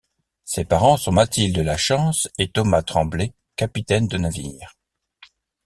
Ses parents sont Mathilde Lachance et Thomas Tremblay, capitaine de navire.